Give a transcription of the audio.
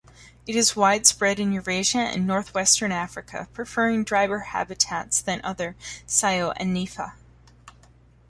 It is widespread in Eurasia and north-western Africa, preferring drier habitats than other "Coenonympha".